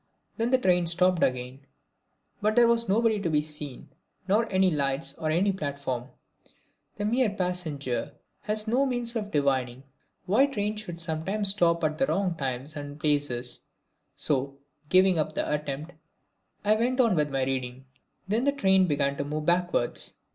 Then the train stopped again, but there was nobody to be seen, nor any lights or platform. The mere passenger has no means of divining why trains should sometimes stop at the wrong times and places, so, giving up the attempt, I went on with my reading. Then the train began to move backwards.